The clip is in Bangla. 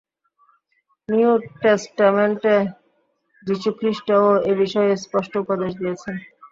নিউ টেস্টামেণ্টে যীশুখ্রীষ্টও এ-বিষয়ে স্পষ্ট উপদেশ দিয়াছেন।